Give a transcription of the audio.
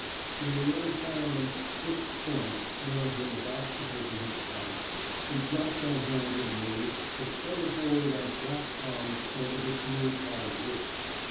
When the old fireman *s sixth sense *' warned him of obstacles in his path, he dropped on hands and knees to scuttle for ward on flat palms over the smooth hard wood.